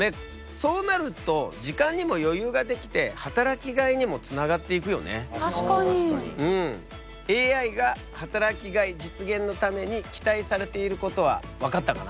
そうなると確かに。ＡＩが働きがい実現のために期待されていることは分かったかな？